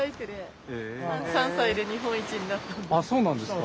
あっそうなんですか？